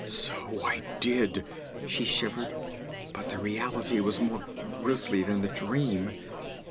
'So I did!' she shivered. 'But the reality was more grisly than the dream.